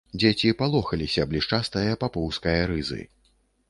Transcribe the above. Дзеці палохаліся блішчастае папоўскае рызы.